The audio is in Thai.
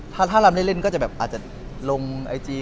ถ้าเราได้เล่นก็จะแบบอาจจะลงไอจี